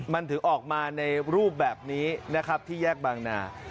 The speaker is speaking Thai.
มันถึงออกมาในรูปแบบนี้นะครับที่แยกบางนา